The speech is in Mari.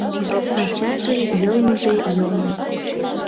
Ачажын йылмыже йомын.